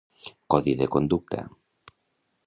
Codi de conducta.